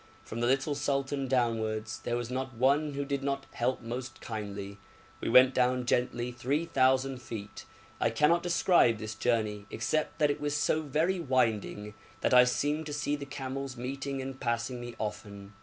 From the little sultan downwards there was not one who did not help most kindly. We went down gently 3,000 feet. I cannot describe this journey, except that it was so very winding that I seemed to see the camels meeting and passing me often.